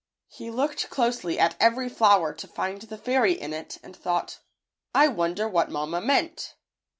He looked closely at every flower to And the fairy in it and thought, "I wonder what mamma meant."